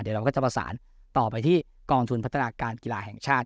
เดี๋ยวเราก็จะประสานต่อไปที่กองทุนพัฒนาการกีฬาแห่งชาติ